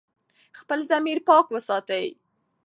خپل ضمیر پاک وساتئ.